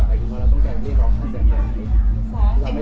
ถ้าอย่างก่อนหน้านี้นี่เราฟองกลับกลับอีกครั้งแล้วเราต้องแค่เรียกร้องท่านแสดงอย่างนี้